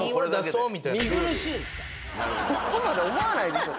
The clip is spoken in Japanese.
そこまで思わないでしょ。